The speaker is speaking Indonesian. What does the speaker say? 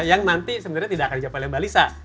yang nanti sebenarnya tidak akan dicapai oleh mbak lisa